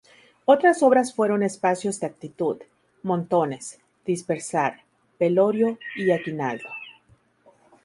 Otras obras fueron "Espacios de actitud", "Montones", "Dispersar", "Velorio" y "Aguinaldo".